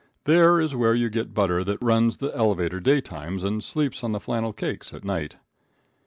There is where you get butter that runs the elevator day times and sleeps on the flannel cakes at night.